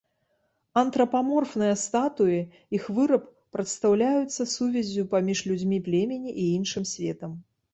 Антрапаморфныя статуі, іх выраб прадстаўляюцца сувяззю паміж людзьмі племені і іншым светам.